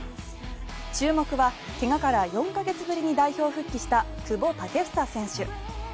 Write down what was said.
注目は怪我から４か月ぶりに代表復帰した久保建英選手。